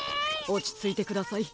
おちついてください。